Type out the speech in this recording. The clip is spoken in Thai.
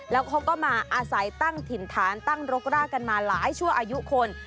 แล้วเขาก็มาอาศัยตั้งถิ่นฐานตั้งรกรากกันมาหลายชั่วอายุคน